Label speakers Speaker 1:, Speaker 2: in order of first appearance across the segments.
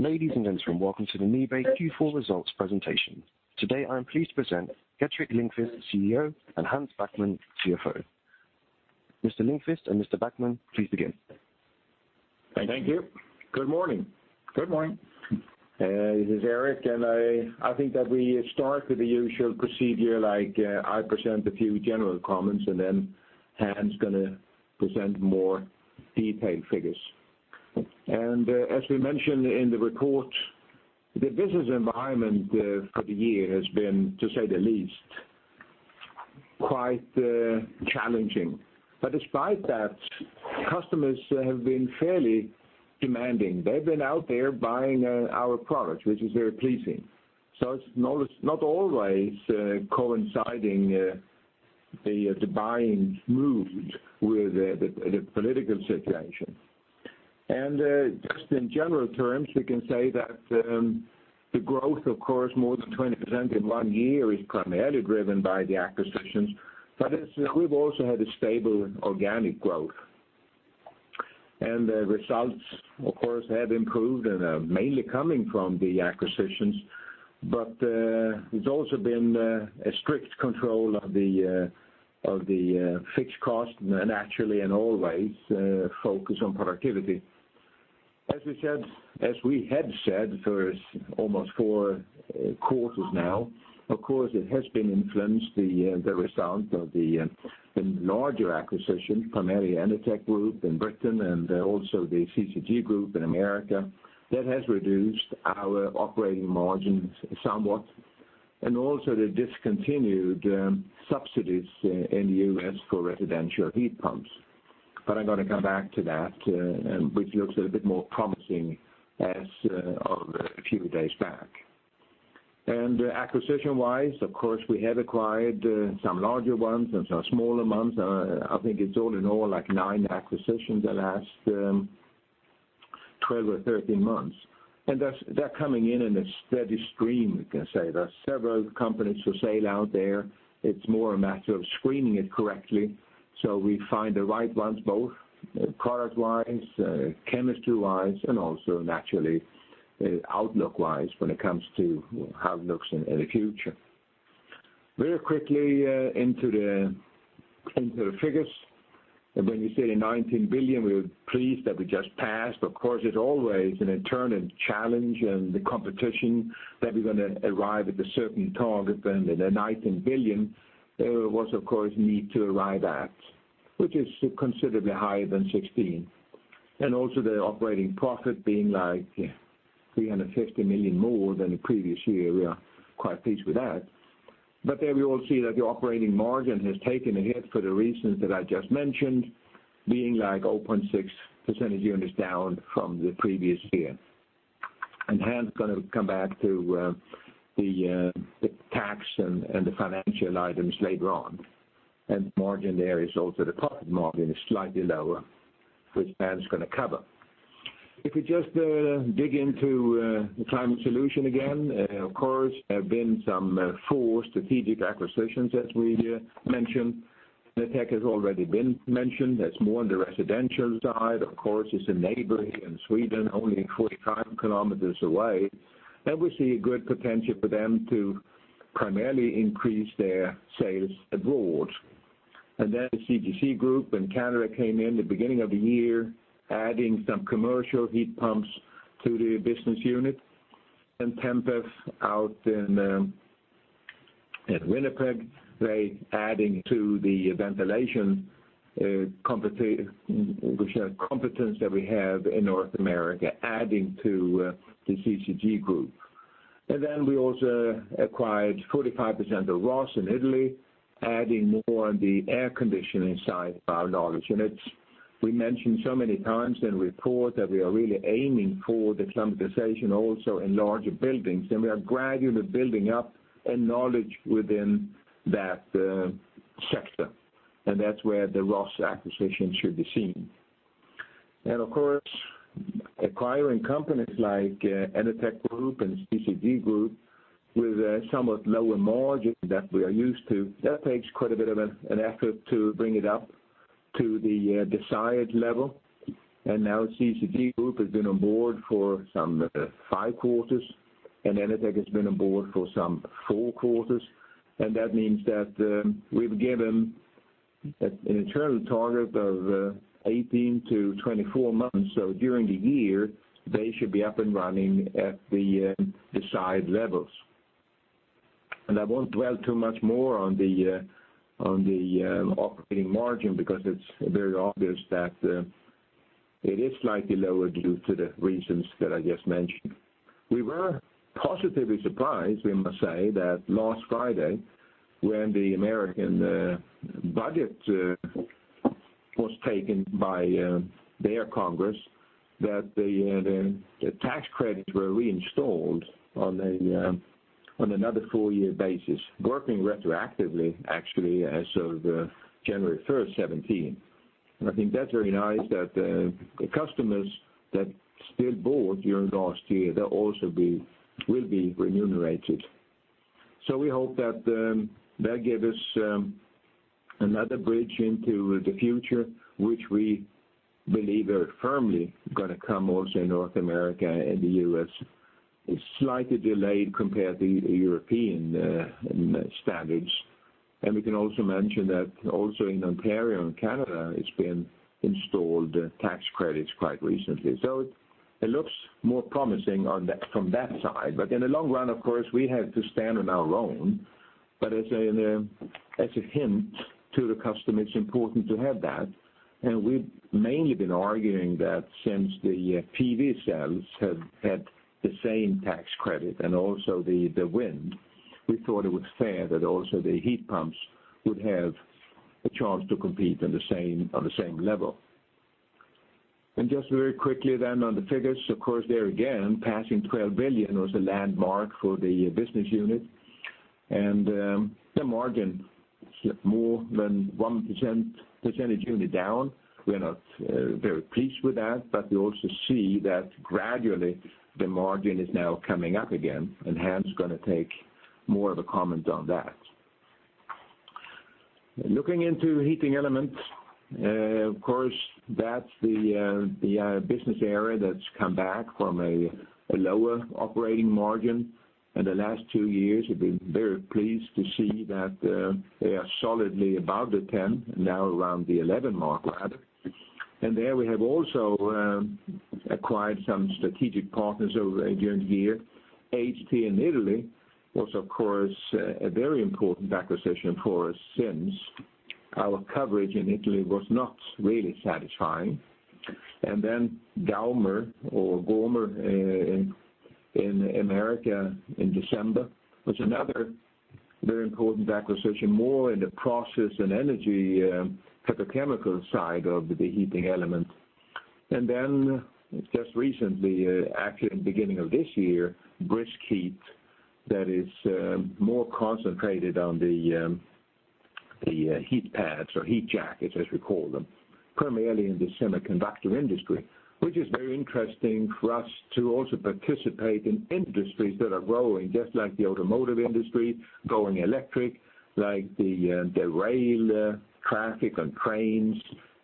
Speaker 1: Ladies and gentlemen, welcome to the NIBE Q4 results presentation. Today, I'm pleased to present Gerteric Lindquist, CEO, and Hans Backman, CFO. Mr. Lindquist and Mr. Backman, please begin.
Speaker 2: Thank you. Good morning.
Speaker 3: Good morning.
Speaker 2: This is Erik. I think that we start with the usual procedure, like I present a few general comments. Then Hans is going to present more detailed figures. As we mentioned in the report, the business environment for the year has been, to say the least, quite challenging. Despite that, customers have been fairly demanding. They've been out there buying our product, which is very pleasing. It's not always coinciding, the buying mood with the political situation. Just in general terms, we can say that the growth, of course, more than 20% in one year is primarily driven by the acquisitions, but we've also had a stable organic growth. The results, of course, have improved and are mainly coming from the acquisitions. There's also been a strict control of the fixed cost and naturally and always, focus on productivity. As we had said for almost four quarters now, of course, it has influenced the result of the larger acquisition, primarily Enertech Group in Britain and also the CCG Group in America. That has reduced our operating margins somewhat, and also the discontinued subsidies in the U.S. for residential heat pumps. I'm going to come back to that, which looks a bit more promising as of a few days back. Acquisition-wise, of course, we have acquired some larger ones and some smaller ones. I think it's all in all nine acquisitions the last 12 or 13 months. They're coming in in a steady stream, we can say. There are several companies for sale out there. It's more a matter of screening it correctly so we find the right ones, both product-wise, chemistry-wise, and also naturally, outlook-wise when it comes to outlooks in the future. Very quickly into the figures. When you say the 19 billion, we are pleased that we just passed. Of course, it's always an internal challenge and the competition that we're going to arrive at a certain target, and the 19 billion was, of course, need to arrive at, which is considerably higher than 16 billion. Also the operating profit being like 350 million more than the previous year. We are quite pleased with that. There we all see that the operating margin has taken a hit for the reasons that I just mentioned, being like 0.6 percentage units down from the previous year. Hans is going to come back to the tax and the financial items later on. Margin there is also the profit margin is slightly lower, which Hans is going to cover. If we just dig into the Climate Solutions again, of course, there have been some four strategic acquisitions that we mentioned. Enertech has already been mentioned. That's more on the residential side. Of course, it's a neighboring in Sweden, only 45 kilometers away. We see a good potential for them to primarily increase their sales abroad. The CCG Group in Canada came in the beginning of the year, adding some commercial heat pumps to the business unit. Tempeff out in Winnipeg, they're adding to the ventilation competence that we have in North America, adding to the CCG Group. We also acquired 45% of Rhoss in Italy, adding more on the air conditioning side of our knowledge. We mentioned so many times in report that we are really aiming for the climatization also in larger buildings, and we are gradually building up a knowledge within that sector, and that's where the Rhoss acquisition should be seen. Of course, acquiring companies like Enertech Group and CCG Group with somewhat lower margin that we are used to, that takes quite a bit of an effort to bring it up to the desired level. Now CCG Group has been on board for some five quarters, and Enertech has been on board for some four quarters. That means that we've given an internal target of 18 to 24 months. During the year, they should be up and running at the desired levels. I won't dwell too much more on the operating margin because it is very obvious that it is slightly lower due to the reasons that I just mentioned. We were positively surprised, we must say, that last Friday when the U.S. budget was taken by their Congress, that the tax credits were reinstalled on another four-year basis, working retroactively, actually, as of January 1st, 2017. I think that's very nice that the customers that still bought during last year, they also will be remunerated. We hope that gave us another bridge into the future, which we believe very firmly going to come also in North America and the U.S. It's slightly delayed compared to European standards. We can also mention that also in Ontario and Canada, it's been installed tax credits quite recently. It looks more promising from that side. In the long run, of course, we have to stand on our own. As a hint to the customer, it's important to have that. We've mainly been arguing that since the PV sales have had the same tax credit and also the wind, we thought it was fair that also the heat pumps would have a chance to compete on the same level. Just very quickly then on the figures, of course, there again, passing 12 billion was a landmark for the business unit. And the margin more than 1% percentage unit down. We are not very pleased with that, but we also see that gradually the margin is now coming up again, and Hans is going to take more of a comment on that. Looking into heating elements, of course, that's the business area that's come back from a lower operating margin. In the last two years, we've been very pleased to see that they are solidly above the 10, now around the 11 mark rather. There we have also acquired some strategic partners during the year. HT in Italy was, of course, a very important acquisition for us, since our coverage in Italy was not really satisfying. Gaumer in America in December, was another very important acquisition, more in the process and energy petrochemical side of the heating element. Just recently, actually in the beginning of this year, BriskHeat, that is more concentrated on the heat pads or heat jackets, as we call them, primarily in the semiconductor industry. Which is very interesting for us to also participate in industries that are growing, just like the automotive industry, going electric, like the rail traffic on trains,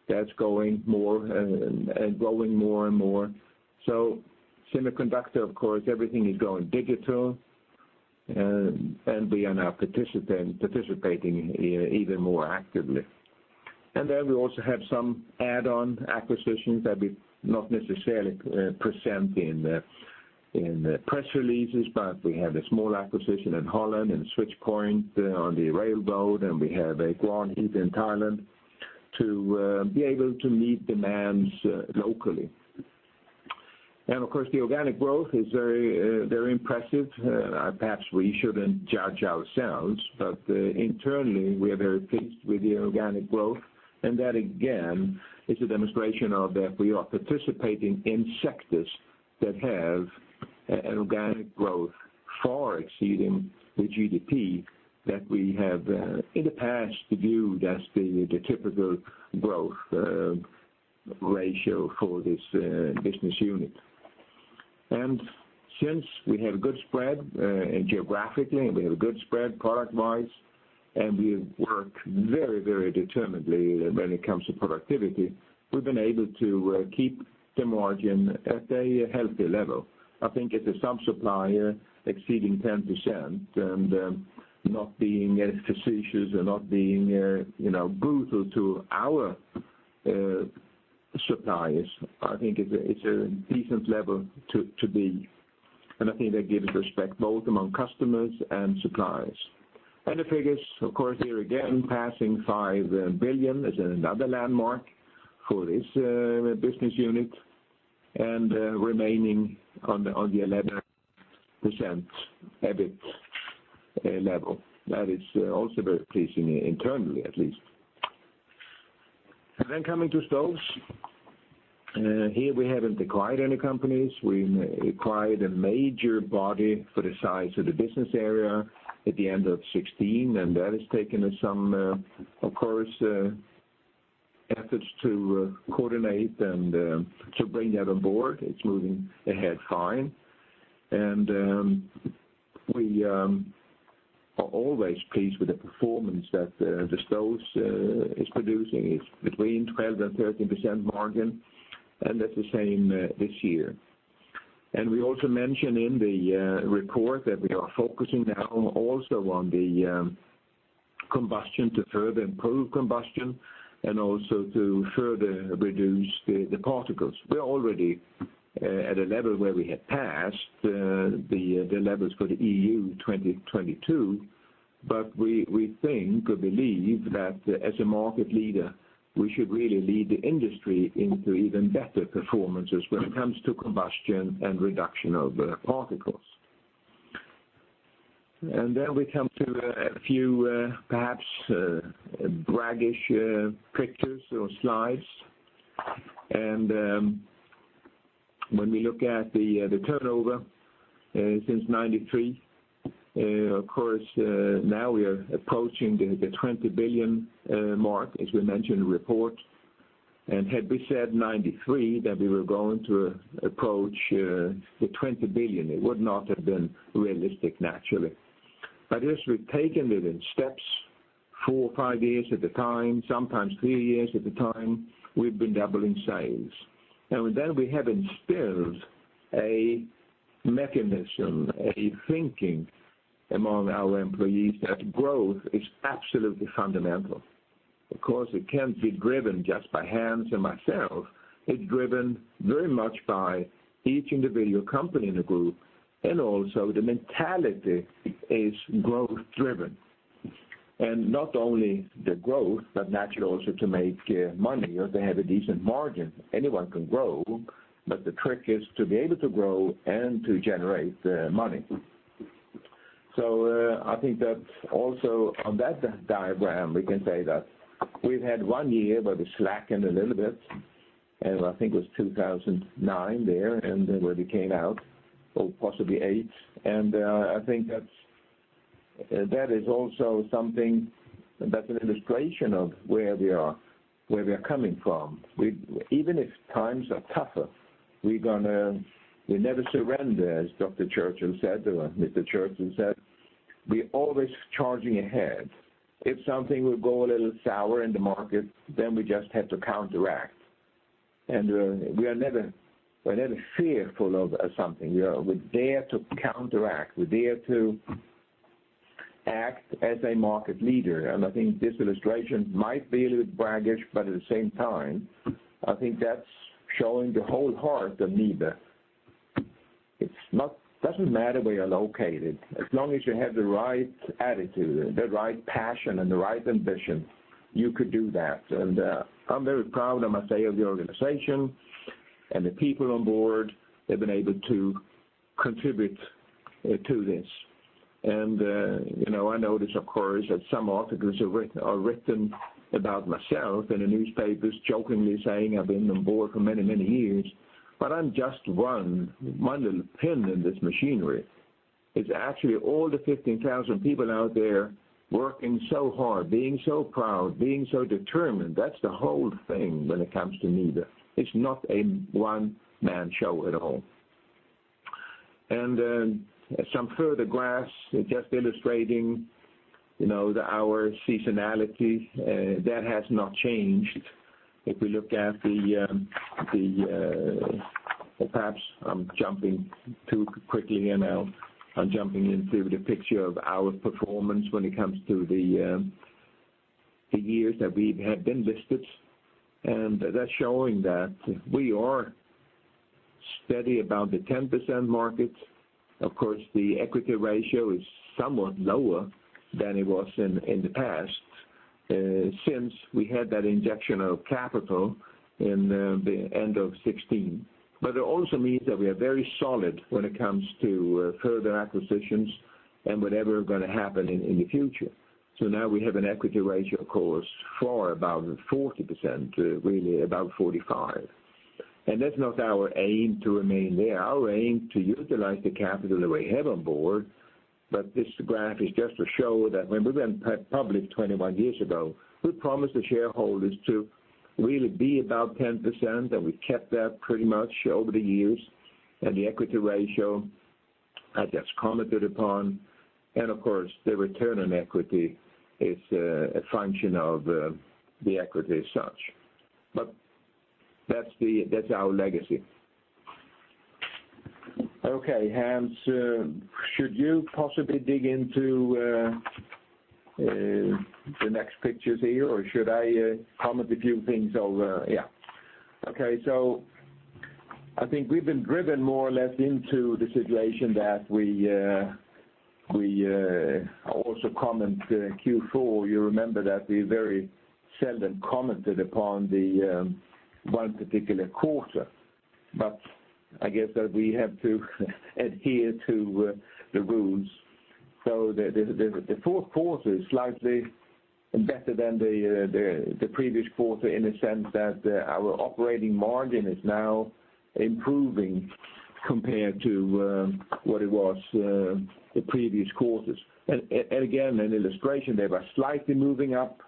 Speaker 2: that's growing more and more. Semiconductor, of course, everything is going digital, and we are now participating even more actively. We also have some add-on acquisitions that we not necessarily present in the press releases, but we have a small acquisition in Netherlands and Switch Point on the railroad, and we have Ekwon Heat in Thailand to be able to meet demands locally. Of course, the organic growth is very impressive. Perhaps we shouldn't judge ourselves, but internally, we are very pleased with the organic growth, and that again, is a demonstration of that we are participating in sectors that have organic growth far exceeding the GDP that we have in the past viewed as the typical growth ratio for this business unit. Since we have a good spread geographically, and we have a good spread product-wise, and we work very determinedly when it comes to productivity, we've been able to keep the margin at a healthy level. I think as a sub-supplier exceeding 10% and not being facetious or not being brutal to our suppliers, I think it's a decent level to be. I think that gives respect both among customers and suppliers. The figures, of course, here again, passing 5 billion is another landmark for this business unit, and remaining on the 11% EBIT level. That is also very pleasing internally, at least. Then coming to stoves. Here we haven't acquired any companies. We acquired a major body for the size of the business area at the end of 2016, and that has taken us some, of course, efforts to coordinate and to bring that on board. It's moving ahead fine. We are always pleased with the performance that the stoves is producing. It's between 12% and 13% margin, and that's the same this year. We also mention in the report that we are focusing now also on the combustion to further improve combustion and also to further reduce the particles. We are already at a level where we have passed the levels for the EU 2022, but we think or believe that as a market leader, we should really lead the industry into even better performances when it comes to combustion and reduction of particles. Then we come to a few perhaps braggish pictures or slides. When we look at the turnover since 1993, of course, now we are approaching the 20 billion mark, as we mentioned in the report. Had we said 1993 that we were going to approach the 20 billion, it would not have been realistic, naturally. As we've taken it in steps, four or five years at a time, sometimes three years at a time, we've been doubling sales. With that, we have instilled a mechanism, a thinking among our employees that growth is absolutely fundamental. Of course, it can't be driven just by Hans and myself. It's driven very much by each individual company in the group, and also the mentality is growth driven. Not only the growth, but naturally also to make money or to have a decent margin. Anyone can grow, but the trick is to be able to grow and to generate money. I think that also on that diagram, we can say that we've had one year where we slackened a little bit, and I think it was 2009 there, and then where we came out, or possibly 2008. I think that is also something that's an illustration of where we are coming from. Even if times are tougher, we never surrender, as Dr. Churchill said, or Mr. Churchill said. We're always charging ahead. If something will go a little sour in the market, then we just have to counteract. We are never fearful of something. We dare to counteract. We dare to act as a market leader. I think this illustration might be a little braggadocios, but at the same time, I think that's showing the whole heart of NIBE. It doesn't matter where you're located, as long as you have the right attitude and the right passion and the right ambition, you could do that. I'm very proud, I must say, of the organization and the people on board have been able to contribute to this. I notice, of course, that some articles are written about myself and the newspapers jokingly saying I've been on board for many years, but I'm just one little pin in this machinery. It's actually all the 15,000 people out there working so hard, being so proud, being so determined. That's the whole thing when it comes to NIBE. It's not a one-man show at all. Some further graphs just illustrating our seasonality. That has not changed. Perhaps I'm jumping too quickly here now. I'm jumping into the picture of our performance when it comes to the years that we have been listed, that's showing that we are steady about the 10% market. Of course, the equity ratio is somewhat lower than it was in the past, since we had that injection of capital in the end of 2016. It also means that we are very solid when it comes to further acquisitions and whatever are going to happen in the future. Now we have an equity ratio, of course, far above 40%, really above 45. That's not our aim to remain there. Our aim to utilize the capital that we have on board, this graph is just to show that when we went public 21 years ago, we promised the shareholders to really be about 10%, we've kept that pretty much over the years. The equity ratio, as that's commented upon. Of course, the return on equity is a function of the equity as such. That's our legacy. Okay, Hans, should you possibly dig into the next pictures here, or should I comment a few things over Yeah. I think we've been driven more or less into the situation that we also comment Q4. You remember that we very seldom commented upon the one particular quarter. I guess that we have to adhere to the rules. The fourth quarter is slightly better than the previous quarter in the sense that our operating margin is now improving compared to what it was the previous quarters. Again, an illustration there, slightly moving up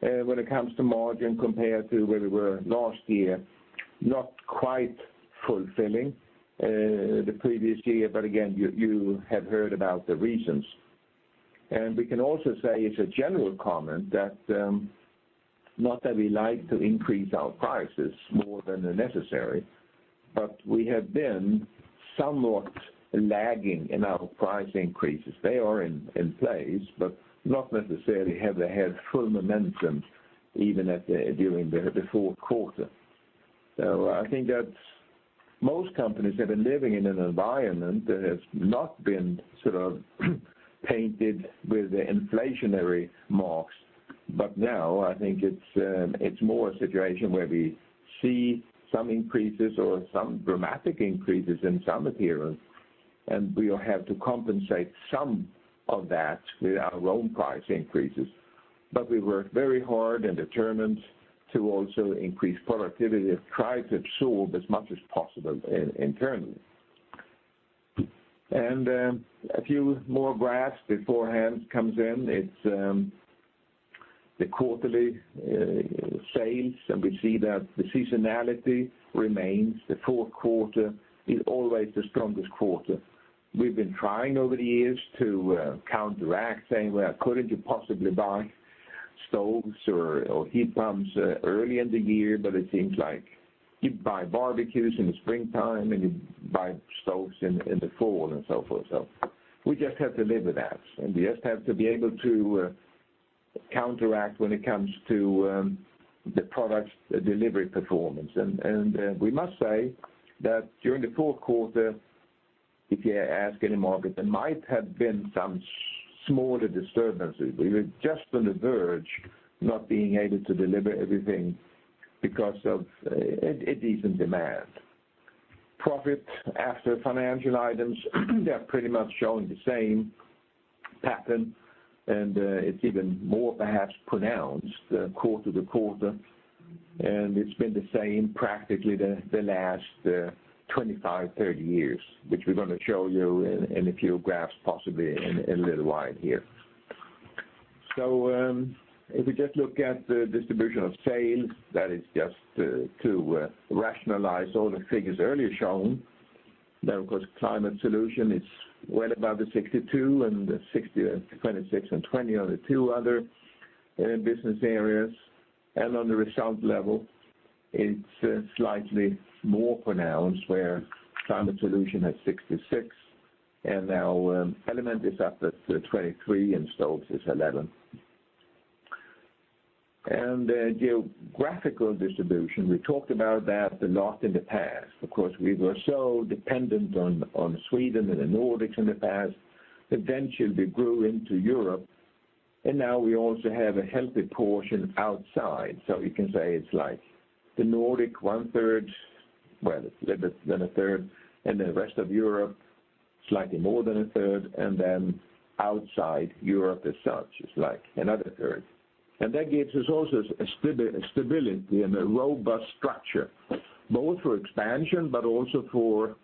Speaker 2: when it comes to margin compared to where we were last year, not quite fulfilling the previous year, again, you have heard about the reasons. We can also say as a general comment that, not that we like to increase our prices more than necessary, we have been somewhat lagging in our price increases. They are in place, not necessarily have they had full momentum even during the fourth quarter. I think that most companies have been living in an environment that has not been sort of painted with the inflationary marks. Now I think it's more a situation where we see some increases or some dramatic increases in some areas, we'll have to compensate some of that with our own price increases. We work very hard and determined to also increase productivity and try to absorb as much as possible internally. A few more graphs before Hans comes in. It's the quarterly sales, and we see that the seasonality remains. The fourth quarter is always the strongest quarter. We've been trying over the years to counteract, saying, "Well, couldn't you possibly buy stoves or heat pumps early in the year?" It seems like you buy barbecues in the springtime, and you buy stoves in the fall and so forth. We just have to live with that, and we just have to be able to counteract when it comes to the product delivery performance. We must say that during the fourth quarter, if you ask any market, there might have been some smaller disturbances. We were just on the verge not being able to deliver everything because of a decent demand. Profit after financial items, they're pretty much showing the same pattern, and it's even more, perhaps, pronounced quarter to quarter. It's been the same practically the last 25, 30 years, which we're going to show you in a few graphs, possibly in a little while here. If we just look at the distribution of sales, that is just to rationalize all the figures earlier shown. Now, of course, Climate Solutions is well above the 62, and the 26 and 20 are the two other business areas. On the result level, it's slightly more pronounced, where Climate Solutions has 66, and now Element is up at 23, and NIBE Stoves is 11. Geographical distribution, we talked about that a lot in the past. Of course, we were so dependent on Sweden and the Nordics in the past. Eventually, we grew into Europe, and now we also have a healthy portion outside. You can say it's like the Nordic, one third, well, a little bit than a third, and the rest of Europe, slightly more than a third, and then outside Europe as such is like another third. That gives us also a stability and a robust structure, both for expansion but also for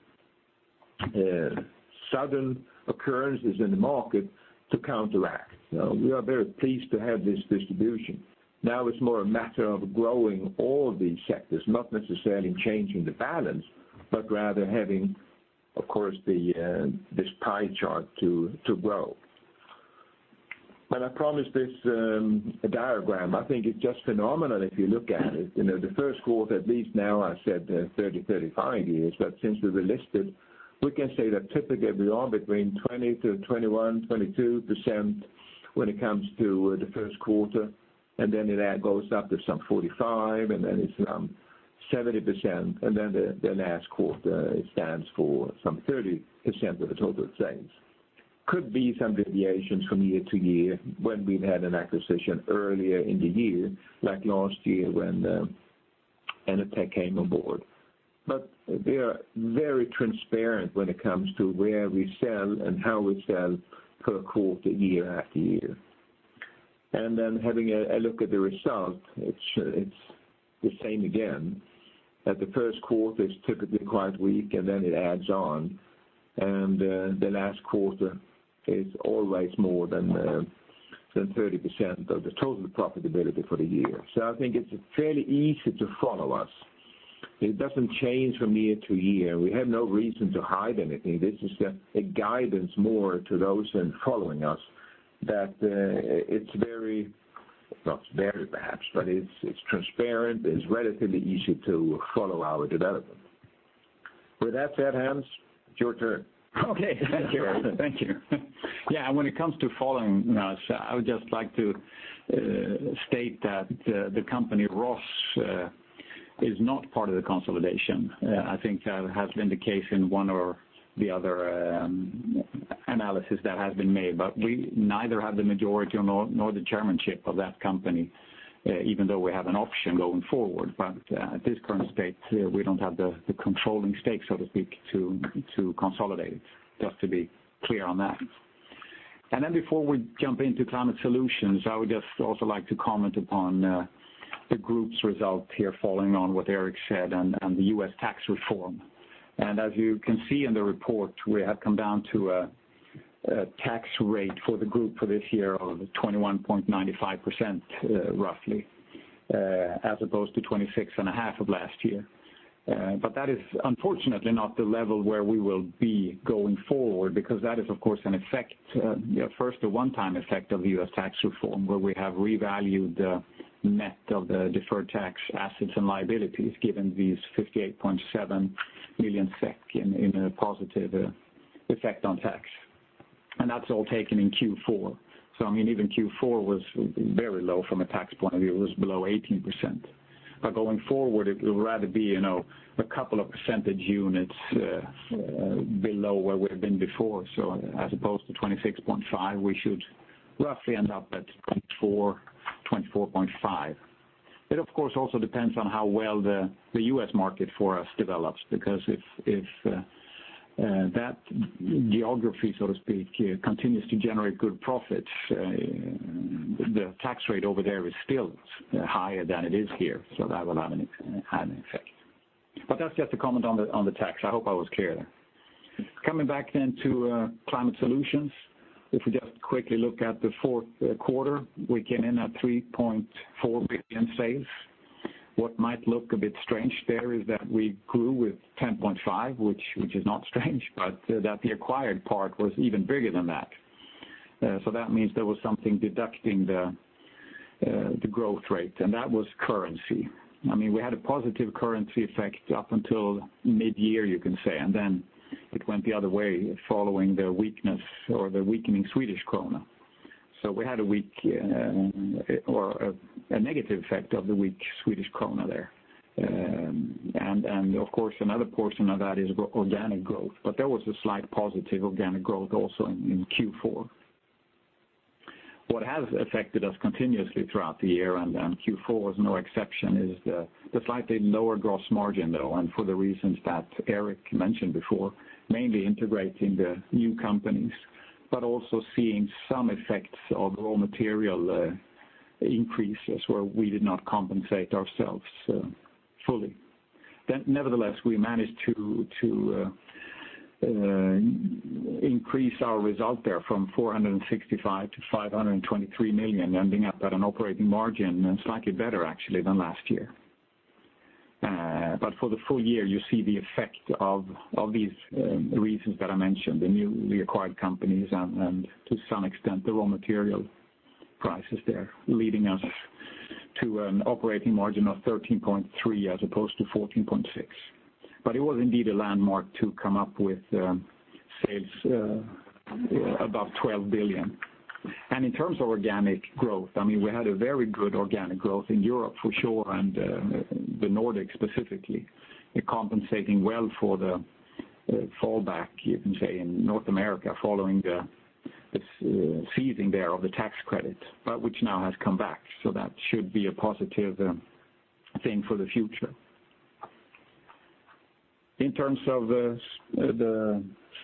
Speaker 2: sudden occurrences in the market to counteract. We are very pleased to have this distribution. Now it's more a matter of growing all these sectors, not necessarily changing the balance, but rather having, of course, this pie chart to grow. I promised this diagram. I think it's just phenomenal if you look at it. The first quarter, at least now I said 30, 35 years, but since we were listed, we can say that typically we are between 20% to 21%, 22% when it comes to the first quarter, and then it goes up to some 45%, and then it's around 70%, and then the last quarter stands for some 30% of the total sales. Could be some deviations from year to year when we've had an acquisition earlier in the year, like last year when Enertech came aboard. We are very transparent when it comes to where we sell and how we sell per quarter, year after year. Then having a look at the result, it's the same again, that the first quarter is typically quite weak and then it adds on. The last quarter is always more than 30% of the total profitability for the year. I think it's fairly easy to follow us. It doesn't change from year to year. We have no reason to hide anything. This is just a guidance more to those following us that it's very, not very perhaps, but it's transparent. It's relatively easy to follow our development. With that said, Hans, it's your turn.
Speaker 3: Okay, thank you. Thank you. When it comes to following us, I would just like to state that the company Rhoss is not part of the consolidation. I think that has been the case in one or the other analysis that has been made. We neither have the majority nor the chairmanship of that company, even though we have an option going forward. At this current state, we don't have the controlling stake, so to speak, to consolidate. Just to be clear on that. Before we jump into Climate Solutions, I would just also like to comment upon the group's results here, following on what Erik said on the U.S. tax reform. As you can see in the report, we have come down to a tax rate for the group for this year of 21.95%, roughly, as opposed to 26.5% of last year. That is unfortunately not the level where we will be going forward, because that is, of course, an effect, first a one-time effect of the U.S. tax reform, where we have revalued the net of the deferred tax assets and liabilities, given these 58.7 million SEK in a positive effect on tax. That's all taken in Q4. Even Q4 was very low from a tax point of view. It was below 18%. Going forward, it will rather be a couple of percentage units below where we've been before. As opposed to 26.5%, we should roughly end up at 24%, 24.5%. It, of course, also depends on how well the U.S. market for us develops, because if that geography, so to speak, continues to generate good profits. The tax rate over there is still higher than it is here, so that will have an effect. That's just a comment on the tax. I hope I was clear there. Coming back then to Climate Solutions, if we just quickly look at the fourth quarter, we came in at 3.4 billion sales. What might look a bit strange there is that we grew with 10.5%, which is not strange, but that the acquired part was even bigger than that. That means there was something deducting the growth rate, and that was currency. We had a positive currency effect up until mid-year, you can say, and then it went the other way following the weakness or the weakening Swedish krona. We had a weak or a negative effect of the weak Swedish krona there. Of course, another portion of that is organic growth, but there was a slight positive organic growth also in Q4. What has affected us continuously throughout the year, and Q4 is no exception, is the slightly lower gross margin though, and for the reasons that Erik mentioned before, mainly integrating the new companies, but also seeing some effects of raw material increases where we did not compensate ourselves fully. Nevertheless, we managed to increase our result there from 465 million to 523 million, ending up at an operating margin slightly better actually than last year. For the full year, you see the effect of these reasons that I mentioned, the newly acquired companies and to some extent the raw material prices there, leading us to an operating margin of 13.3% as opposed to 14.6%. It was indeed a landmark to come up with sales above 12 billion. In terms of organic growth, we had a very good organic growth in Europe for sure, and the Nordics specifically, compensating well for the fallback, you can say, in North America following the ceasing there of the tax credit, but which now has come back, so that should be a positive thing for the future. In terms of the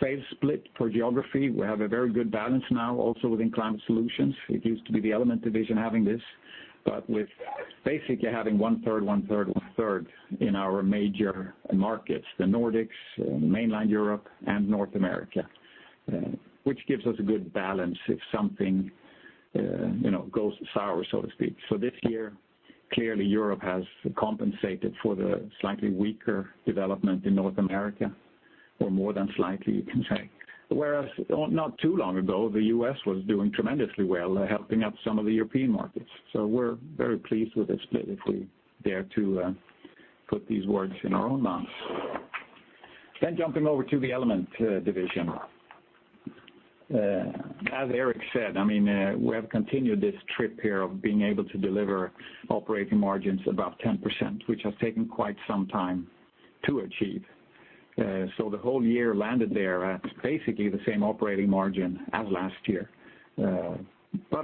Speaker 3: sales split for geography, we have a very good balance now also within Climate Solutions. It used to be the Element division having this, but with basically having one third, one third, one third in our major markets, the Nordics, mainland Europe, and North America, which gives us a good balance if something goes sour, so to speak. This year, clearly Europe has compensated for the slightly weaker development in North America, or more than slightly you can say. Whereas not too long ago, the U.S. was doing tremendously well, helping up some of the European markets. We are very pleased with this split, if we dare to put these words in our own mouth. Jumping over to the Element division. As Erik said, we have continued this trip here of being able to deliver operating margins above 10%, which has taken quite some time to achieve. The whole year landed there at basically the same operating margin as last year.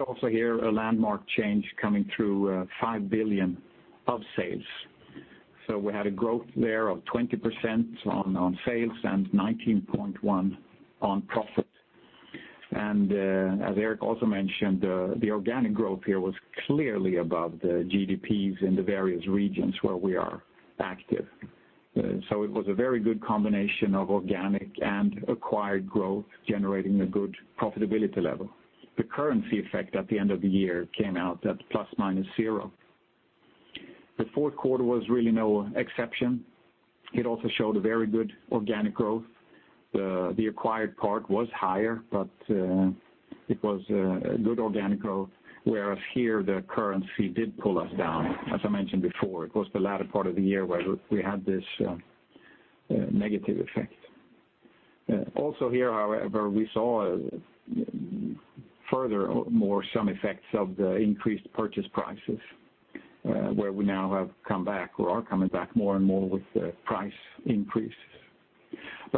Speaker 3: Also here, a landmark change coming through 5 billion of sales. We had a growth there of 20% on sales and 19.1% on profit. As Erik also mentioned, the organic growth here was clearly above the GDPs in the various regions where we are active. It was a very good combination of organic and acquired growth generating a good profitability level. The currency effect at the end of the year came out at plus/minus zero. The fourth quarter was really no exception. It also showed a very good organic growth. The acquired part was higher, but it was a good organic growth, whereas here the currency did pull us down. As I mentioned before, it was the latter part of the year where we had this negative effect. Also here, furthermore, we saw some effects of the increased purchase prices, where we now have come back or are coming back more and more with the price increases.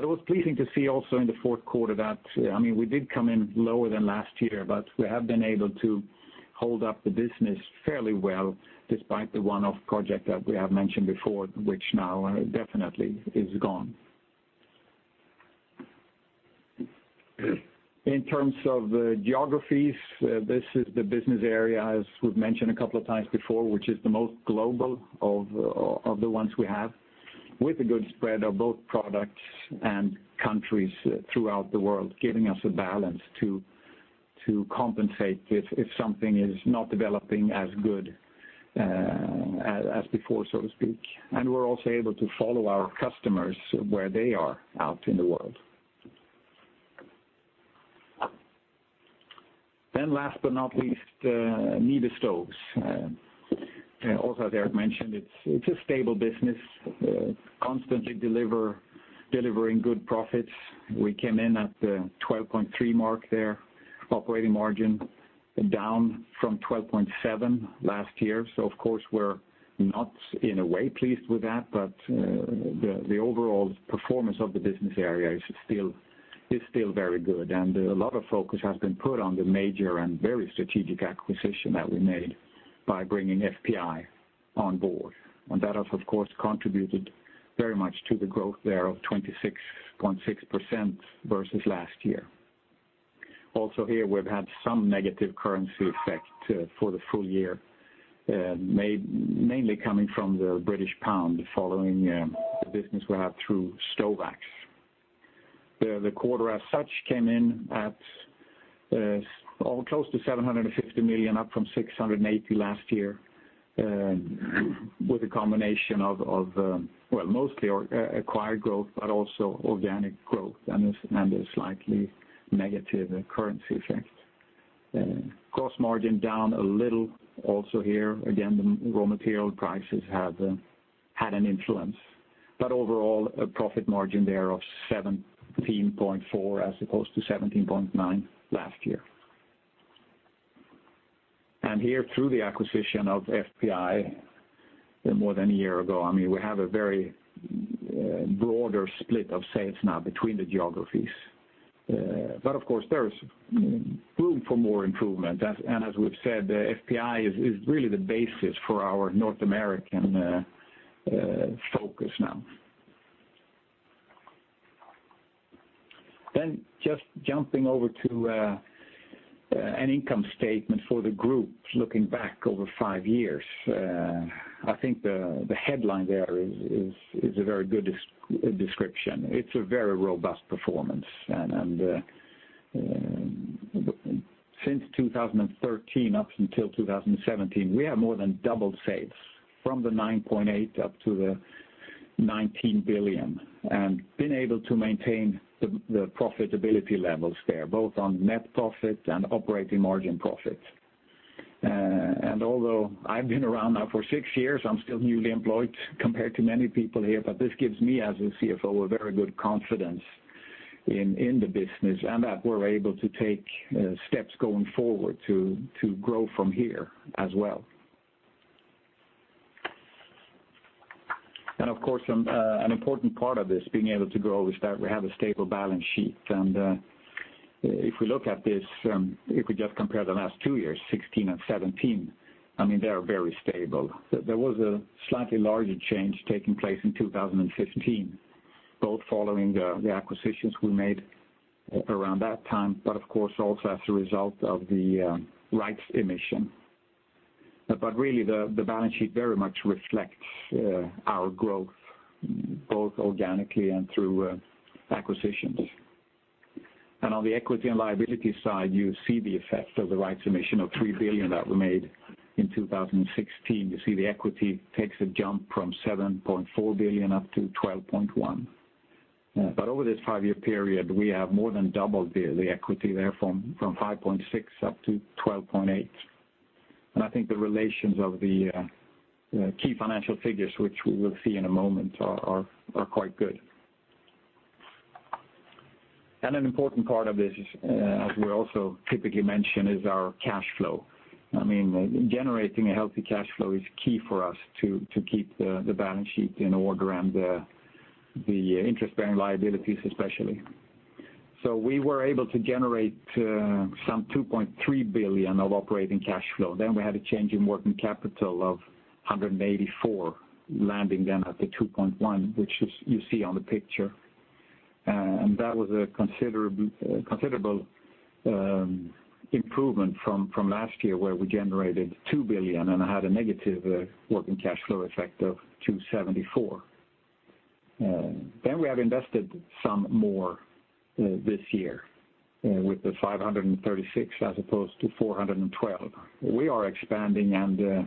Speaker 3: It was pleasing to see also in the fourth quarter that we did come in lower than last year, but we have been able to hold up the business fairly well despite the one-off project that we have mentioned before, which now definitely is gone. In terms of the geographies, this is the business area, as we've mentioned a couple of times before, which is the most global of the ones we have, with a good spread of both products and countries throughout the world, giving us a balance to compensate if something is not developing as good as before, so to speak. We're also able to follow our customers where they are out in the world. Last but not least, NIBE Stoves. Also as Erik mentioned, it's a stable business, constantly delivering good profits. We came in at the 12.3% mark there, operating margin down from 12.7% last year. Of course, we're not in a way pleased with that, but the overall performance of the business area is still very good, and a lot of focus has been put on the major and very strategic acquisition that we made by bringing FPI on board. That has, of course, contributed very much to the growth there of 26.6% versus last year. Also here, we've had some negative currency effect for the full year, mainly coming from the British pound following the business we have through Stovax. The quarter as such came in at close to 750 million, up from 680 million last year, with a combination of mostly acquired growth but also organic growth, and a slightly negative currency effect. Gross margin down a little also here. Again, the raw material prices had an influence, but overall, a profit margin there of 17.4% as opposed to 17.9% last year. Here, through the acquisition of FPI more than a year ago, we have a very broader split of sales now between the geographies. Of course, there's room for more improvement. As we've said, FPI is really the basis for our North American focus now. Just jumping over to an income statement for the group looking back over five years. I think the headline there is a very good description. It's a very robust performance. Since 2013 up until 2017, we have more than doubled sales from 9.8 billion up to 19 billion, and been able to maintain the profitability levels there, both on net profit and operating margin profit. Although I've been around now for six years, I'm still newly employed compared to many people here, but this gives me, as a CFO, a very good confidence in the business and that we're able to take steps going forward to grow from here as well. Of course, an important part of this being able to grow is that we have a stable balance sheet. If we look at this, if we just compare the last two years, 2016 and 2017, they are very stable. There was a slightly larger change taking place in 2015, both following the acquisitions we made around that time, but of course, also as a result of the rights issue. The balance sheet very much reflects our growth, both organically and through acquisitions. On the equity and liability side, you see the effect of the rights issue of 3 billion that were made in 2016. You see the equity takes a jump from 7.4 billion up to 12.1 billion. But over this five-year period, we have more than doubled the equity there from 5.6 billion up to 12.8 billion. I think the relations of the key financial figures, which we will see in a moment, are quite good. An important part of this, as we also typically mention, is our cash flow. Generating a healthy cash flow is key for us to keep the balance sheet in order and the interest-bearing liabilities, especially. We were able to generate some 2.3 billion of operating cash flow. Then we had a change in working capital of 184 million, landing then at 2.1 billion, which you see on the picture. That was a considerable improvement from last year where we generated 2 billion and had a negative working cash flow effect of 274 million. Then we have invested some more this year with 536 million as opposed to 412 million. We are expanding and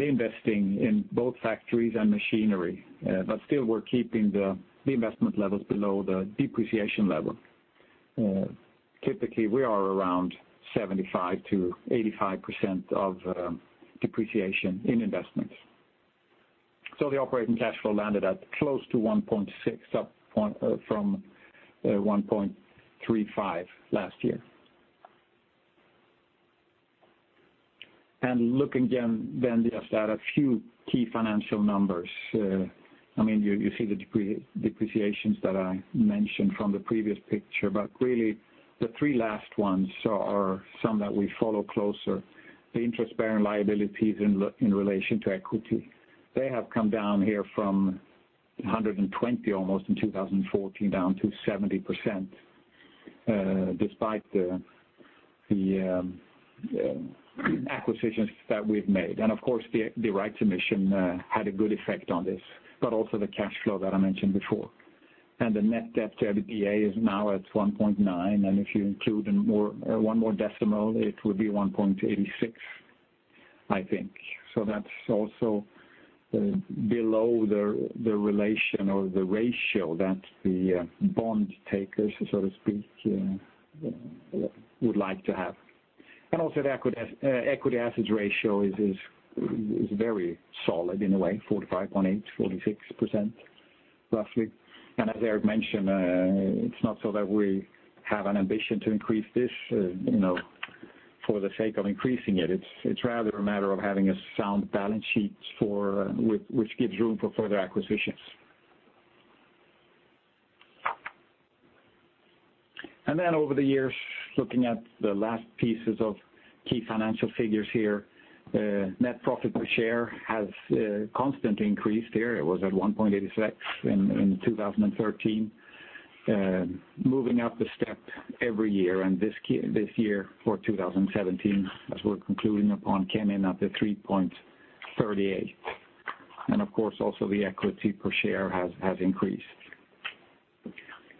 Speaker 3: investing in both factories and machinery. But still we're keeping the investment levels below the depreciation level. Typically, we are around 75%-85% of depreciation in investments. So the operating cash flow landed at close to 1.6 billion, up from 1.35 billion last year. Looking then just at a few key financial numbers. You see the depreciations that I mentioned from the previous picture, but really the three last ones are some that we follow closer. The interest-bearing liabilities in relation to equity. They have come down here from 120% almost in 2014 down to 70%, despite the acquisitions that we've made. Of course, the rights issue had a good effect on this, but also the cash flow that I mentioned before. The net debt to EBITDA is now at 1.9, and if you include one more decimal, it would be 1.86, I think. So that's also below the relation or the ratio that the bond takers, so to speak, would like to have. Also the equity assets ratio is very solid in a way, 45.8%, 46% roughly. As Gerteric mentioned, it's not so that we have an ambition to increase this for the sake of increasing it. It's rather a matter of having a sound balance sheet which gives room for further acquisitions. Then over the years, looking at the last pieces of key financial figures here, net profit per share has constantly increased here. It was at 1.86 in 2013, moving up a step every year. This year, for 2017, as we're concluding upon, came in at 3.38. Of course, also the equity per share has increased.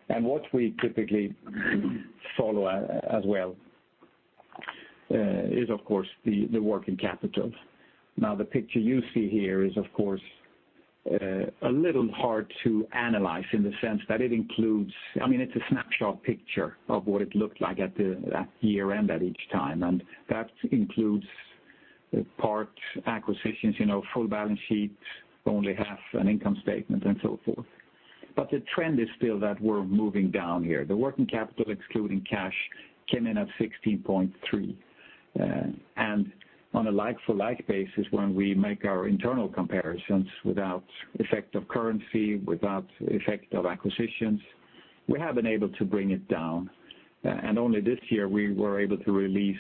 Speaker 3: What we typically follow as well is, of course, the working capital. The picture you see here is a little hard to analyze in the sense that it includes a snapshot picture of what it looked like at year-end at each time, and that includes part acquisitions, full balance sheets, only half an income statement, and so forth. The trend is still that we're moving down here. The working capital, excluding cash, came in at 16.3. On a like-for-like basis, when we make our internal comparisons without effect of currency, without effect of acquisitions, we have been able to bring it down. Only this year, we were able to release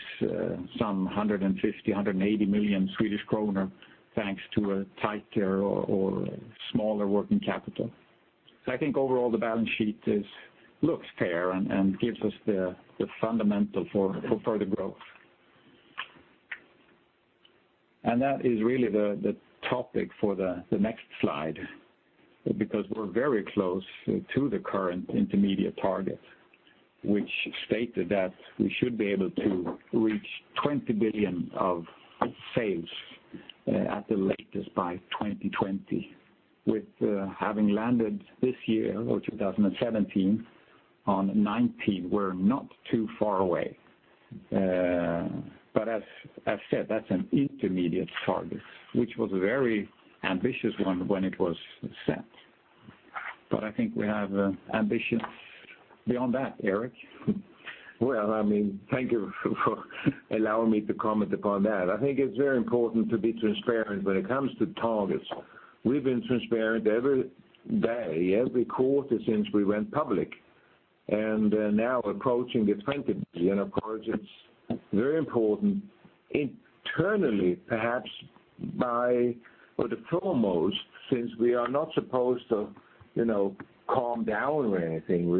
Speaker 3: some 150 million-180 million Swedish kronor thanks to a tighter or smaller working capital. I think overall, the balance sheet looks fair and gives us the fundamental for further growth. That is really the topic for the next slide, because we're very close to the current intermediate target, which stated that we should be able to reach 20 billion of sales at the latest by 2020. With having landed this year, or 2017, on 19 billion, we're not too far away. As I've said, that's an intermediate target, which was a very ambitious one when it was set. I think we have ambition beyond that, Erik.
Speaker 2: Well, thank you for allowing me to comment upon that. I think it's very important to be transparent when it comes to targets. We've been transparent every day, every quarter, since we went public, approaching the 20 billion. It's very important internally, perhaps the foremost, since we are not supposed to calm down or anything,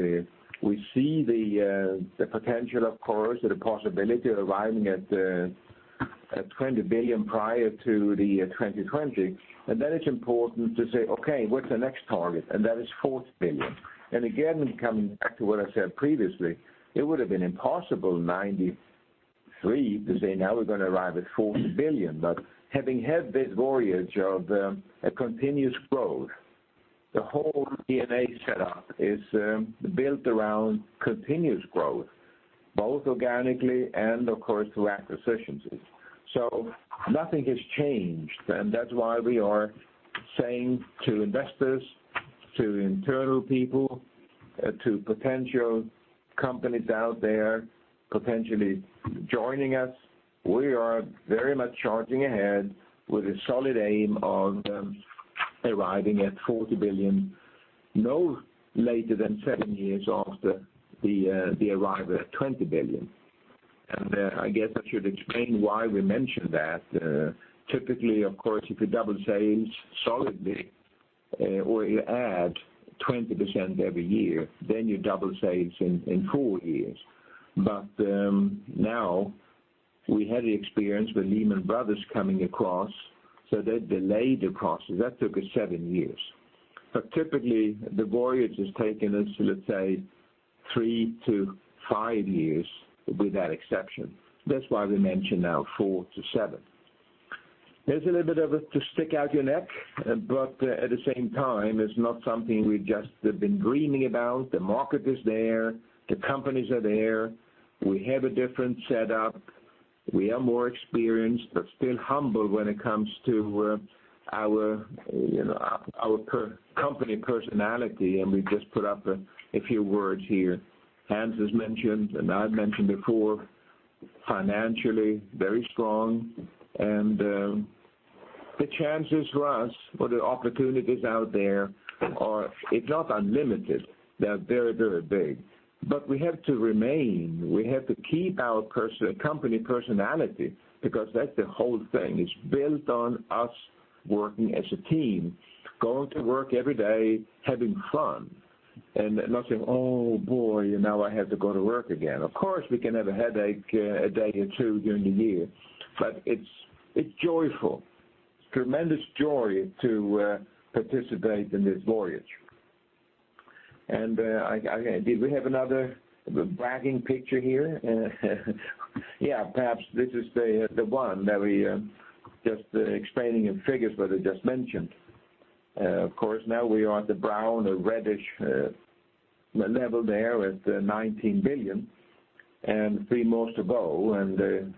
Speaker 2: we see the potential, of course, or the possibility of arriving at 20 billion prior to 2020. It's important to say, okay, what's the next target? That is 40 billion. Again, coming back to what I said previously, it would have been impossible 1993 to say, now we're going to arrive at 40 billion, having had this voyage of a continuous growth, the whole DNA setup is built around continuous growth, both organically and of course, through acquisitions. Nothing has changed, and that's why we are saying to investors, to internal people, to potential companies out there potentially joining us, we are very much charging ahead with a solid aim of arriving at 40 billion no later than seven years after the arrival at 20 billion. I guess I should explain why we mentioned that. Typically, of course, if you double sales solidly or you add 20% every year, then you double sales in four years. Now we had the experience with Lehman Brothers coming across, they delayed the process. That took us seven years. Typically, the voyage has taken us to, let's say, 3-5 years with that exception. That's why we mention now 4-7. There's a little bit of it to stick out your neck, but at the same time, it's not something we just have been dreaming about. The market is there, the companies are there. We have a different setup. We are more experienced, but still humble when it comes to our company personality, and we just put up a few words here. Hans has mentioned, I've mentioned before, financially very strong. The chances for us or the opportunities out there are, if not unlimited, they are very big. We have to remain, we have to keep our company personality because that's the whole thing. It's built on us working as a team, going to work every day, having fun, and not saying, "Oh, boy, now I have to go to work again." Of course, we can have a headache a day or two during the year, but it's joyful, tremendous joy to participate in this voyage. Perhaps this is the one that we just explaining in figures what I just mentioned. Of course, now we are at the brown or reddish level there at 19 billion and three months to go.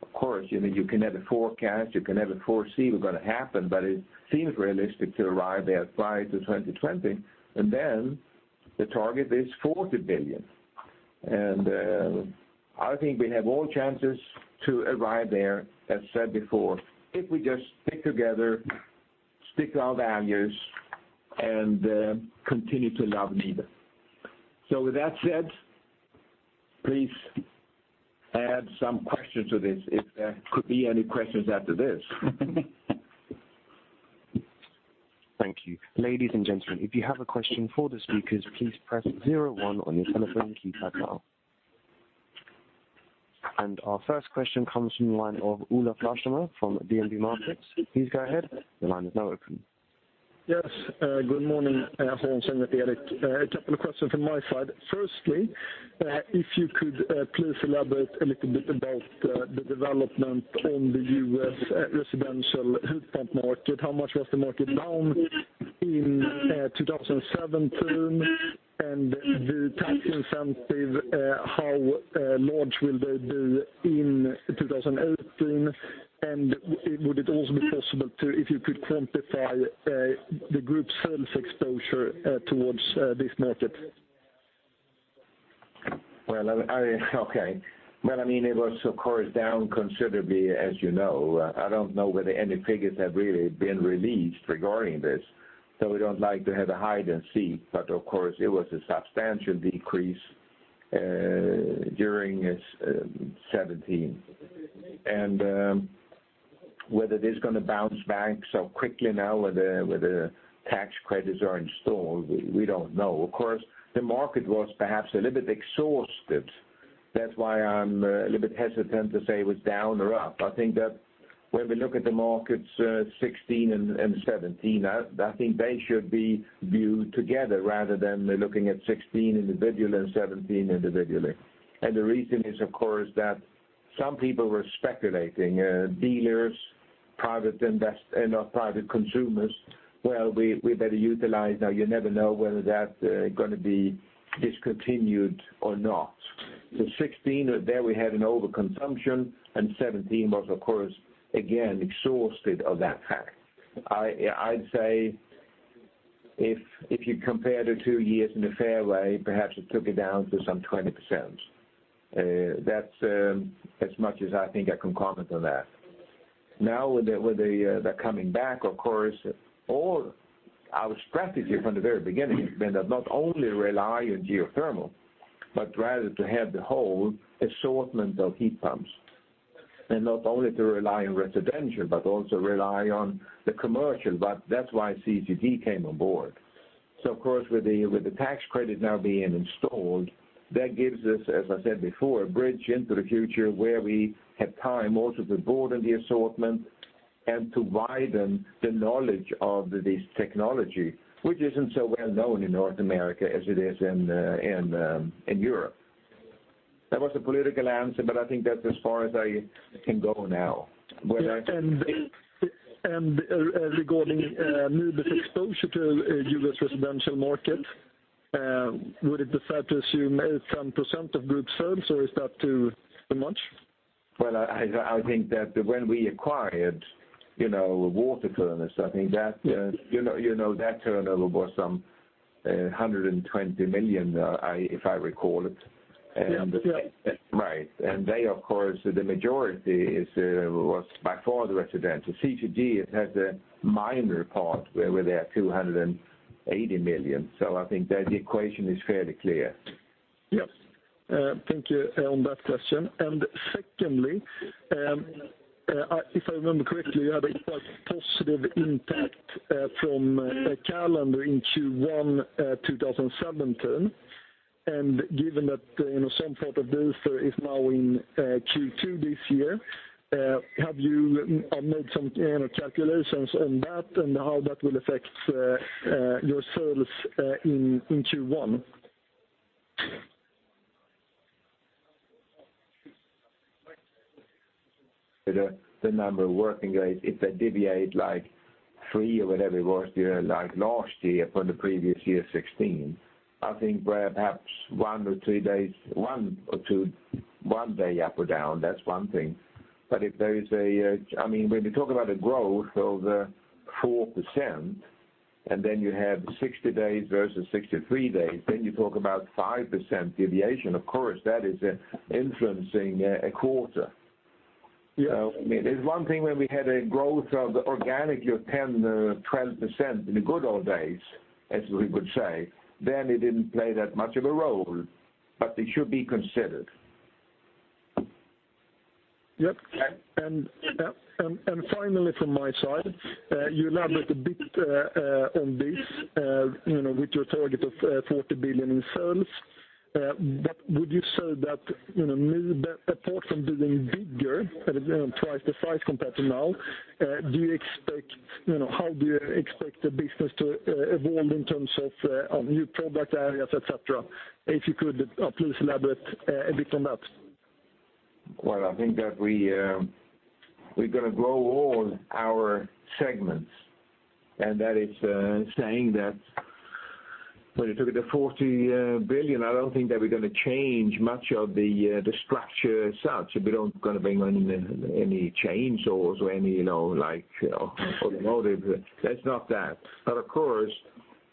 Speaker 2: Of course, you can have a forecast, you can never foresee what going to happen, but it seems realistic to arrive there prior to 2020, and then the target is 40 billion. I think we have all chances to arrive there, as said before, if we just stick together, stick our values and continue to love NIBE. With that said, please add some questions to this, if there could be any questions after this.
Speaker 1: Thank you. Ladies and gentlemen, if you have a question for the speakers, please press 01 on your telephone keypad now. Our first question comes from the line of Olaf Larsime from DNB Markets. Please go ahead. The line is now open.
Speaker 4: Yes, good morning, Hans and Gerteric. A couple of questions from my side. Firstly, if you could please elaborate a little bit about the development on the U.S. residential heat pump market. How much was the market down in 2017? The tax incentive, how large will they be in 2018, and would it also be possible if you could quantify the group sales exposure towards this market?
Speaker 2: Well, okay. It was, of course, down considerably, as you know. I don't know whether any figures have really been released regarding this, so we don't like to have a hide and seek. Of course, it was a substantial decrease during '17. Whether it is going to bounce back so quickly now with the tax credits are installed, we don't know. Of course, the market was perhaps a little bit exhausted. That's why I'm a little bit hesitant to say it was down or up. I think that when we look at the markets '16 and '17, I think they should be viewed together rather than looking at '16 individually and '17 individually. The reason is, of course, that some people were speculating, dealers and private consumers. Well, we better utilize now. You never know whether that going to be discontinued or not. '16, there we had an overconsumption, and '17 was, of course, again, exhausted of that fact. I'd say if you compare the two years in a fair way, perhaps it took it down to some 20%. That's as much as I think I can comment on that. Now, with the coming back, of course, our strategy from the very beginning has been to not only rely on geothermal, but rather to have the whole assortment of heat pumps. Not only to rely on residential, but also rely on the commercial. That's why CCG came on board. Of course, with the tax credit now being installed, that gives us, as I said before, a bridge into the future where we have time also to broaden the assortment and to widen the knowledge of this technology, which isn't so well known in North America as it is in Europe. That was a political answer, but I think that's as far as I can go now.
Speaker 4: Regarding NIBE's exposure to U.S. residential market, would it be fair to assume 8% of group sales, or is that too much?
Speaker 2: Well, I think that when we acquired WaterFurnace, I think that turnover was some 120 million, if I recall it.
Speaker 4: Yes.
Speaker 2: Right. They, of course, the majority was by far the residential. CCG, it has a minor part where they are 280 million. I think that the equation is fairly clear.
Speaker 4: Yes. Thank you on that question. Secondly, if I remember correctly, you had a quite positive impact from calendar in Q1 2017. Given that some part of this is now in Q2 this year, have you made some calculations on that and how that will affect your sales in Q1?
Speaker 2: The number of working days, if they deviate like three or whatever it was during last year from the previous year 2016, I think perhaps one or two, one day up or down, that's one thing. When we talk about a growth of 4% and then you have 60 days versus 63 days, then you talk about 5% deviation. Of course, that is influencing a quarter.
Speaker 4: Yes.
Speaker 2: It's one thing when we had a growth of organic year 10%-12% in the good old days, as we could say, then it didn't play that much of a role, it should be considered.
Speaker 4: Yep. Finally from my side, you elaborate a bit on this, with your target of 40 billion in sales. Would you say that NIBE apart from being bigger, twice the size compared to now, how do you expect the business to evolve in terms of new product areas, et cetera? If you could please elaborate a bit on that.
Speaker 2: Well, I think that we're going to grow all our segments, that is saying that when you look at the 40 billion, I don't think that we're going to change much of the structure itself. We don't going to bring any change or any automotive. It's not that. Of course,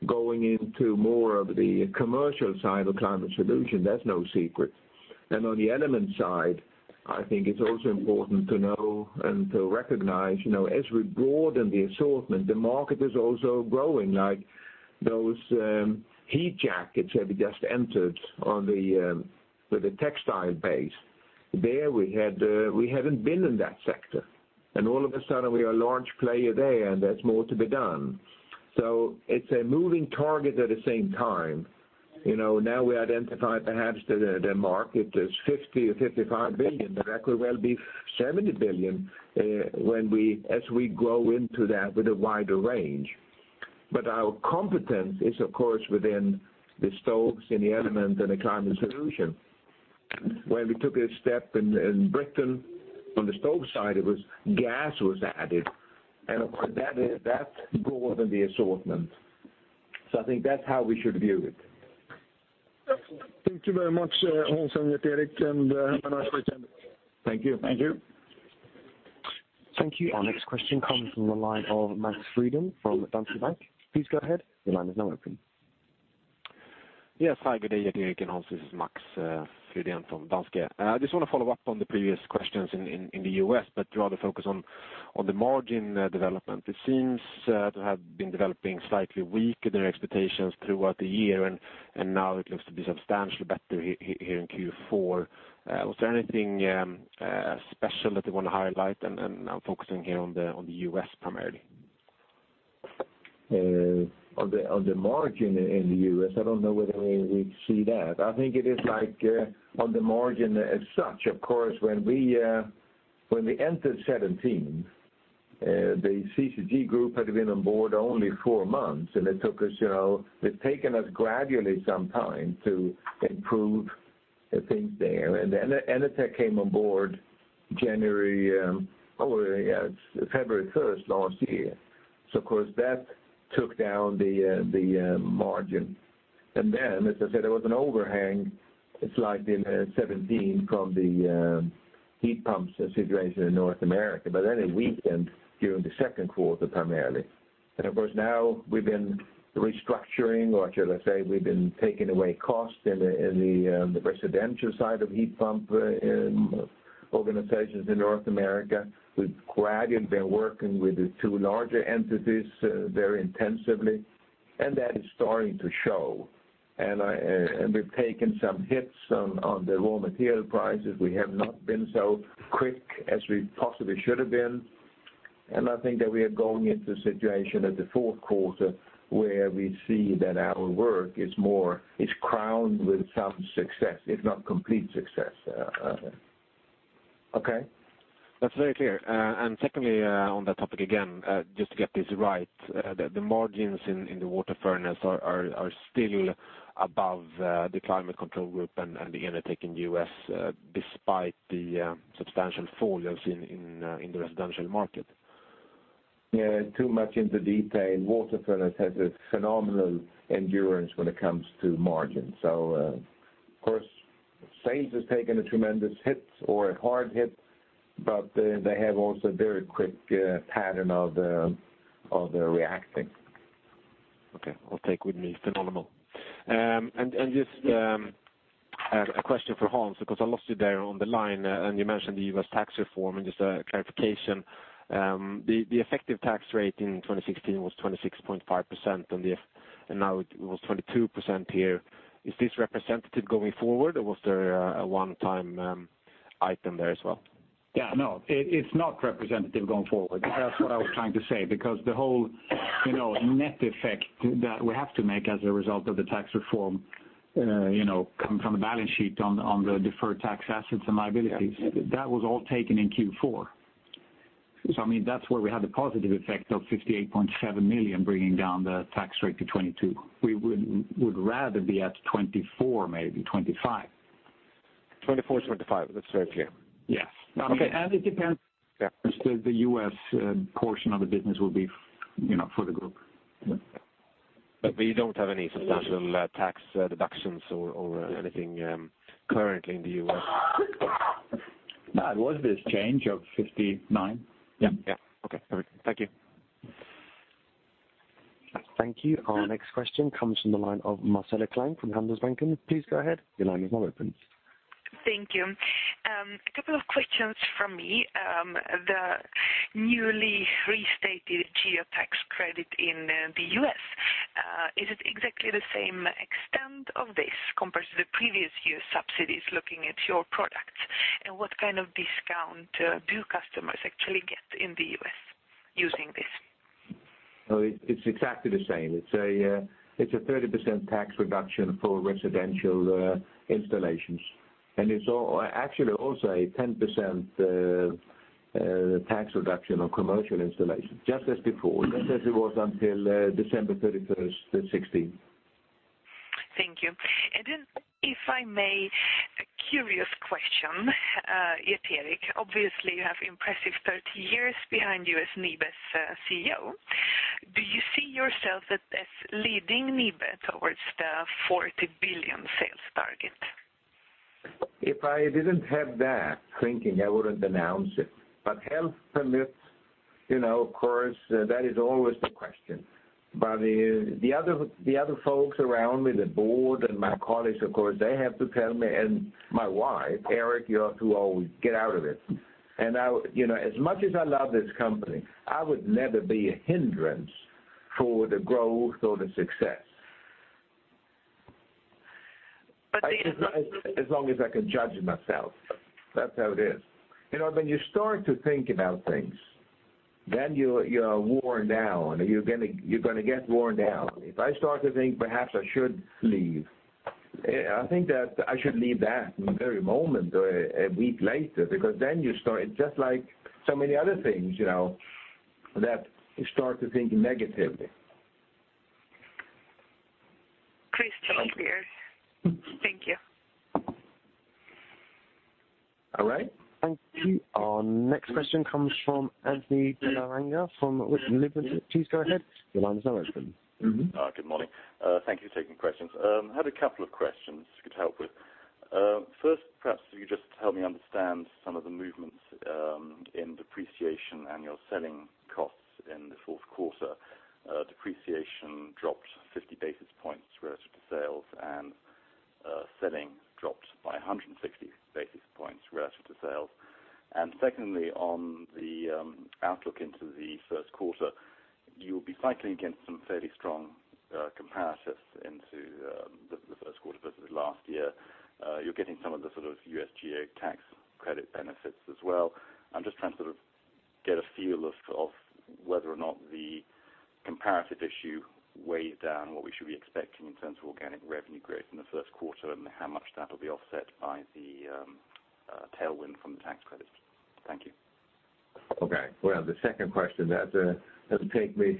Speaker 2: going into more of the commercial side of Climate Solutions, that's no secret. On the Element side, I think it's also important to know and to recognize, as we broaden the assortment, the market is also growing. Like those heat jackets that we just entered on with a textile base. There we hadn't been in that sector, all of a sudden, we are large player there's more to be done. It's a moving target at the same time. We identify perhaps the market as 50 billion-55 billion, that could well be 70 billion as we grow into that with a wider range. Our competence is, of course, within the Stoves and the Element and the Climate Solutions. When we took a step in Britain on the stove side, it was gas was added, and of course, that broadened the assortment. I think that's how we should view it.
Speaker 4: Thank you very much, Hans and Gotthard, and have a nice weekend.
Speaker 2: Thank you.
Speaker 3: Thank you.
Speaker 1: Thank you. Our next question comes from the line of Max Fridhen from Danske Bank. Please go ahead. Your line is now open.
Speaker 5: Yes. Hi, good day Gotthard and Hans. This is Max Fridhen from Danske. I just want to follow up on the previous questions in the U.S., but rather focus on the margin development. It seems to have been developing slightly weak in their expectations throughout the year, and now it looks to be substantially better here in Q4. Was there anything special that you want to highlight? I am focusing here on the U.S. primarily.
Speaker 2: On the margin in the U.S., I don't know whether we see that. I think it is like, on the margin as such, of course, when we entered 2017, the CCG group had been on board only four months, and it took us, it's taken us gradually some time to improve things there. Enertech came aboard January or February 1st last year. Of course, that took down the margin. Then, as I said, there was an overhang slightly in 2017 from the heat pumps situation in North America. It weakened during the second quarter, primarily. Of course, now we've been restructuring, or should I say, we've been taking away costs in the residential side of heat pump in organizations in North America. We've gradually been working with the two larger entities very intensively, and that is starting to show. We've taken some hits on the raw material prices. We have not been so quick as we possibly should have been. I think that we are going into a situation at the fourth quarter where we see that our work is crowned with some success, if not complete success.
Speaker 5: Okay. That's very clear. Secondly, on that topic again, just to get this right, the margins in the WaterFurnace are still above the Climate Control Group and the Enertech in U.S., despite the substantial fall we have seen in the residential market.
Speaker 2: Yeah. Too much into detail. WaterFurnace has a phenomenal endurance when it comes to margin. Of course, sales has taken a tremendous hit or a hard hit, but they have also very quick pattern of the reacting.
Speaker 5: Okay. I'll take with me, phenomenal. Just a question for Hans, because I lost you there on the line and you mentioned the U.S. tax reform, just a clarification. The effective tax rate in 2016 was 26.5%, and now it was 22% here. Is this representative going forward, or was there a one-time item there as well?
Speaker 3: Yeah, no, it's not representative going forward. That's what I was trying to say, because the whole net effect that we have to make as a result of the tax reform, coming from the balance sheet on the deferred tax assets and liabilities, that was all taken in Q4. I mean, that's where we had the positive effect of 58.7 million bringing down the tax rate to 22%. We would rather be at 24%, maybe 25%.
Speaker 5: 24, 25. That's very clear.
Speaker 3: Yes.
Speaker 5: Okay.
Speaker 3: It depends, the U.S. portion of the business will be for the group.
Speaker 5: We don't have any substantial tax deductions or anything currently in the U.S.?
Speaker 3: No, it was this change of 59.
Speaker 5: Yeah. Okay, perfect. Thank you.
Speaker 1: Thank you. Our next question comes from the line of Marcella Klein from Handelsbanken. Please go ahead. Your line is now open.
Speaker 6: Thank you. A couple of questions from me. The newly restated geo tax credit in the U.S., is it exactly the same extent of this compared to the previous year's subsidies, looking at your products? What kind of discount do customers actually get in the U.S. using this?
Speaker 2: It's exactly the same. It's a 30% tax reduction for residential installations. It's actually also a 10% tax reduction on commercial installation. Just as before, just as it was until December 31st, 2016.
Speaker 6: Thank you. If I may, a curious question, Gotthard. Obviously, you have impressive 30 years behind you as NIBE's CEO. Do you see yourself as leading NIBE towards the 40 billion sales target?
Speaker 2: If I didn't have that thinking, I wouldn't announce it. Health permits, of course, that is always the question. The other folks around me, the board and my colleagues, of course, they have to tell me, and my wife, "Erik, you have to always get out of it." As much as I love this company, I would never be a hindrance for the growth or the success.
Speaker 6: But the-
Speaker 2: As long as I can judge myself. That's how it is. When you start to think about things, you're worn down. You're going to get worn down. If I start to think perhaps I should leave, I think that I should leave that very moment or a week later, because then you start, it's just like so many other things, that you start to think negatively.
Speaker 6: Crystal clear. Thank you.
Speaker 1: All right. Thank you. Our next question comes from Anthony Belaranga from Liberum. Please go ahead. Your line is now open.
Speaker 7: Good morning. Thank you for taking questions. I had a couple of questions you could help with. First, perhaps if you could just help me understand some of the movements in depreciation and your selling costs in the fourth quarter. Depreciation dropped 50 basis points relative to sales, and selling dropped by 160 basis points relative to sales. Secondly, on the outlook into the first quarter, you'll be cycling against some fairly strong comparatives into the first quarter versus last year. You're getting some of the sort of US geo tax credit benefits as well. I'm just trying to sort of get a feel of whether or not the comparative issue weighed down what we should be expecting in terms of organic revenue growth in the first quarter, and how much that'll be offset by the tailwind from the tax credits. Thank you.
Speaker 2: Okay. Well, the second question, that'll take me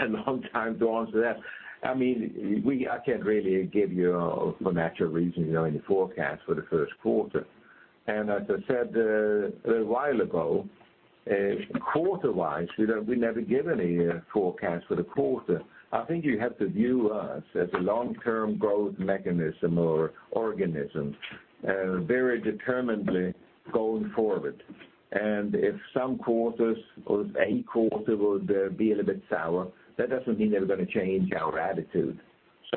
Speaker 2: a long time to answer that. I can't really give you, for natural reasons, any forecast for the first quarter. As I said a while ago, quarter-wise, we never give any forecast for the quarter. I think you have to view us as a long-term growth mechanism or organism, very determinedly going forward. If some quarters or any quarter would be a little bit sour, that doesn't mean that we're going to change our attitude.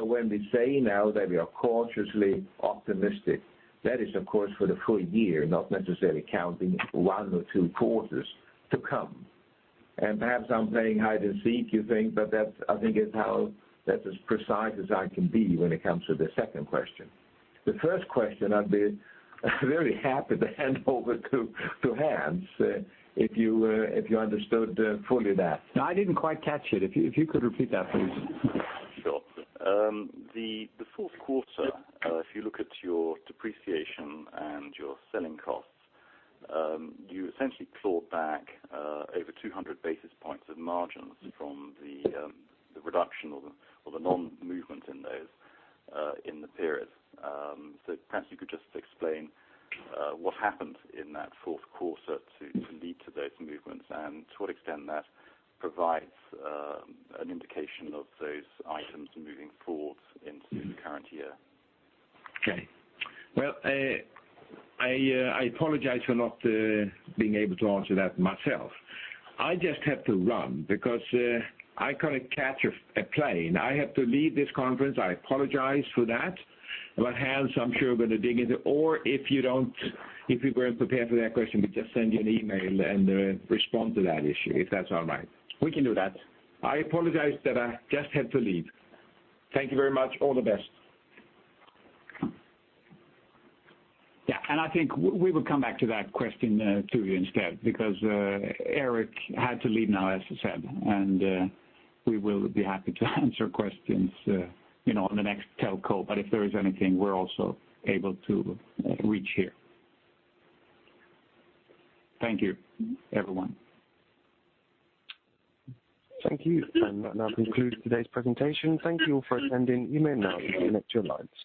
Speaker 2: When we say now that we are cautiously optimistic, that is, of course, for the full year, not necessarily counting one or two quarters to come. Perhaps I'm playing hide and seek, you think, but that, I think is how, that's as precise as I can be when it comes to the second question. The first question, I'd be very happy to hand over to Hans, if you understood fully that.
Speaker 3: I didn't quite catch it. If you could repeat that, please.
Speaker 7: Sure. The fourth quarter, if you look at your depreciation and your selling costs, you essentially clawed back over 200 basis points of margins from the reduction or the non-movement in those in the period. Perhaps you could just explain what happened in that fourth quarter to lead to those movements, and to what extent that provides an indication of those items moving forward into the current year.
Speaker 2: Okay. Well, I apologize for not being able to answer that myself. I just have to run because I got to catch a plane. I have to leave this conference. I apologize for that. Hans, if you weren't prepared for that question, we just send you an email and respond to that issue, if that's all right.
Speaker 3: We can do that.
Speaker 2: I apologize that I just had to leave. Thank you very much. All the best.
Speaker 3: Yeah. I think we will come back to that question to you instead, because Erik had to leave now, as he said. We will be happy to answer questions on the next telco. If there is anything, we're also able to reach here. Thank you, everyone.
Speaker 1: Thank you. That now concludes today's presentation. Thank you all for attending. You may now disconnect your lines.